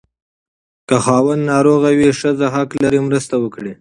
که خاوند ناروغ وي، ښځه حق لري مرسته وکړي.